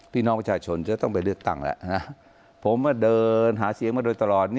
พี่น้องประชาชนจะต้องไปเลือกตั้งแล้วผมมาเดินหาเสียงมาโดยตลอด